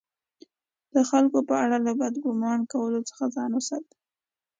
د خلکو په اړه له بد ګمان کولو څخه ځان وساتئ!